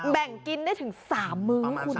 แบ่งกินได้ถึง๓มื้อคุณ